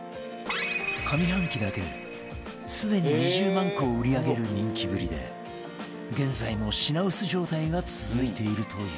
上半期だけですでに２０万個を売り上げる人気ぶりで現在も品薄状態が続いているという